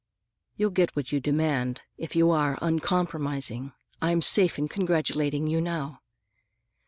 "You'll get what you demand, if you are uncompromising. I'm safe in congratulating you now."